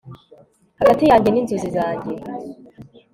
hagati yanjye n'inzozi zanjye